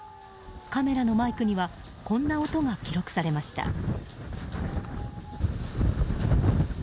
カメラのマイクにはこんな音が記録されました。